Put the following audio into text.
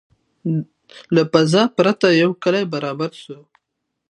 له قضا پر یوه کلي برابر سو